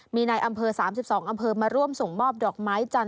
มีในอำเภอ๓๒อำเภอมาร่วมส่งมอบดอกไม้จันท